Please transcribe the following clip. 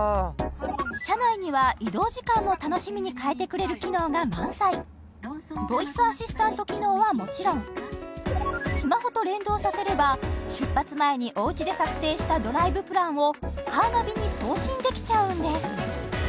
車内には移動時間も楽しみに変えてくれる機能が満載ボイスアシスタント機能はもちろんスマホと連動させれば出発前におうちで作成したドライブプランをカーナビに送信できちゃうんです